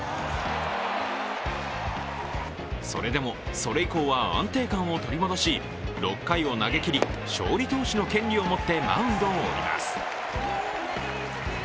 それでも、それ以降は安定感を取り戻し６回を投げきり、勝利投手の権利を持ってマウンドを降ります。